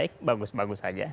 baik bagus bagus saja